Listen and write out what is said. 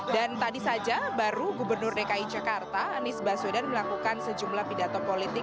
dan tadi saja baru gubernur dki jakarta anies baswedan melakukan sejumlah pidato politik